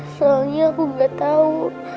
soalnya aku gak tahu